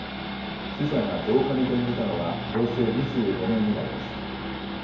死者が増加に転じたのは平成２５年以来です。